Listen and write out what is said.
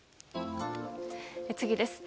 次です。